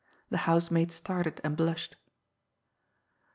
The housemaid started and blushed.